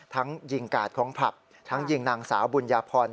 ทั้งหญิงกาดของผัพทั้งหญิงนางสาวบุญญาพร